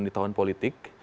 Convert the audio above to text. di tahun politik